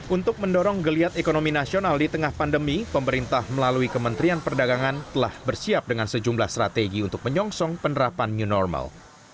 untuk mendorong geliat ekonomi nasional di tengah pandemi pemerintah melalui kementerian perdagangan telah bersiap dengan sejumlah strategi untuk menyongsong penerapan new normal